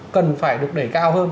cần phải được đẩy cao hơn